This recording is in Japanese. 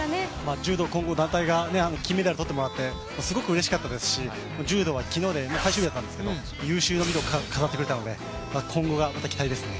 柔道混合団体が金メダルとってもらってすごく、うれしかったですし柔道は昨日で最終日だったんですけど有終の美を飾ってくれたので今後に期待ですね。